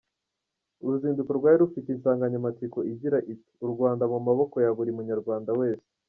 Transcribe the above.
Uruzinduko rwari rufite insanganyamatsiko igira iti ”U Rwanda mu maboko ya buri munyarwanda wese”.